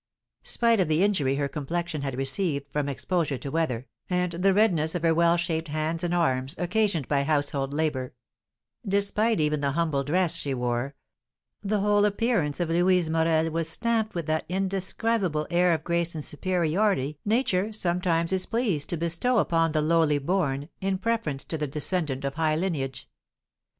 Spite of the injury her complexion had received from exposure to weather, and the redness of her well shaped hands and arms, occasioned by household labour, despite even the humble dress she wore, the whole appearance of Louise Morel was stamped with that indescribable air of grace and superiority Nature sometimes is pleased to bestow upon the lowly born, in preference to the descendant of high lineage.